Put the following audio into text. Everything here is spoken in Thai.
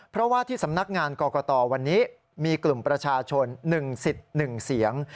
เพราะว่าที่สำนักงานกรกตวันนี้มีกลุ่มประชาชน๑๑เสียง